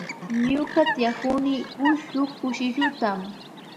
Ñuka tiyakuni rkushp shuk kushilluta.